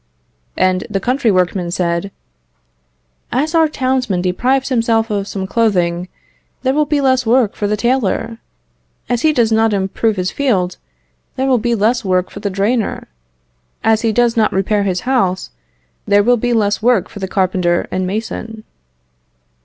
And the country workmen said, "As our townsman deprives himself of some clothing, there will be less work for the tailor; as he does not improve his field, there will be less work for the drainer; as he does not repair his house, there will be less work for the carpenter and mason."